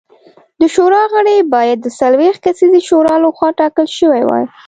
د شورا غړي باید د څلوېښت کسیزې شورا لخوا ټاکل شوي وای